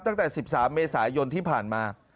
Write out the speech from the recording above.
ตั้งแต่๑๓เมษายนที่ผ่านมา